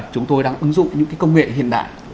chúng tôi đang ứng dụng những công nghệ hiện đại